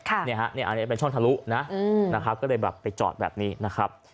อันนี้เป็นช่องทะลุนะก็เลยไปจอดแบบนี้นะครับ